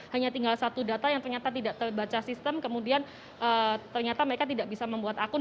hanya tinggal satu data yang ternyata tidak terbaca sistem kemudian ternyata mereka tidak bisa membuat akun